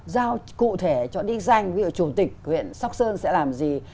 giao cụ thể cho đi danh ví dụ chủ tịch huyện sóc sơn sẽ làm gì